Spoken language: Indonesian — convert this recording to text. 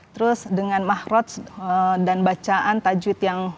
terus dengan mahrad dan bacaan tajwid yang